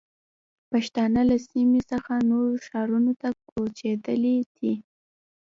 پښتانه له سیمې څخه نورو ښارونو ته کوچېدلي دي.